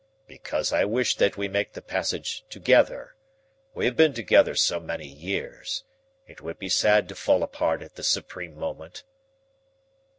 "Because I wish that we make the passage together. We have been together so many years. It would be sad to fall apart at the supreme moment."